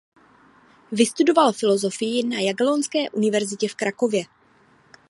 Vystudoval filozofii na Jagellonské univerzitě v Krakově.